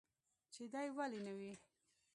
چې دى ولي نه وي.